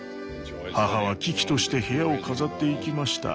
母は喜々として部屋を飾っていきました。